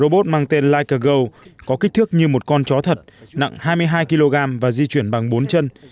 robot mang tên like a go có kích thước như một con chó thật nặng hai mươi hai kg và di chuyển bằng bốn chân